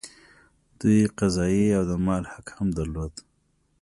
دوی قضايي او د مال حق هم درلود.